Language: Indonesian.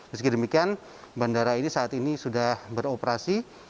meski demikian bandara ini saat ini sudah beroperasi